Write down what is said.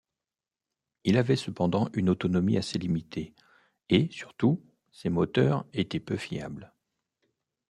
Il avait cependant une autonomie assez limitée et, surtout, ses moteurs étaient peu fiables.